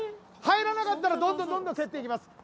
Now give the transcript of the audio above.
入らなかったらどんどん蹴っていきます。